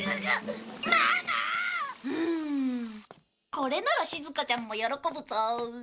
これならしずかちゃんも喜ぶぞ。